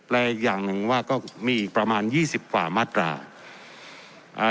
และอีกอย่างหนึ่งว่าก็มีอีกประมาณยี่สิบกว่ามาตราอ่า